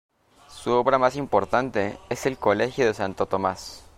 Su obra más importante es el Colegio de Santo Tomás.